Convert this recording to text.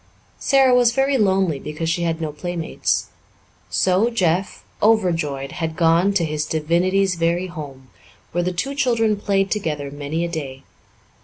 Sara was very lonely because she had no playmates. So Jeff, overjoyed, had gone to his divinity's very home, where the two children played together many a day.